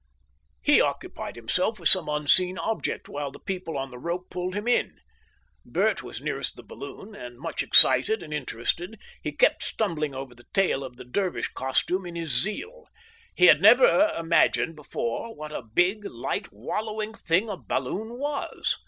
He occupied himself with some unseen object while the people on the rope pulled him in. Bert was nearest the balloon, and much excited and interested. He kept stumbling over the tail of the Dervish costume in his zeal. He had never imagined before what a big, light, wallowing thing a balloon was.